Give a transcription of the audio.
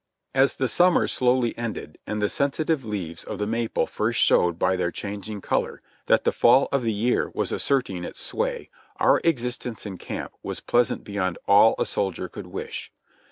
As the summer slowdy ended, and the sensitive leaves of the maple first showed by their changing color that the fall of the year was asserting its sway, our existence in camp was pleasant beyond all a soldier could wish.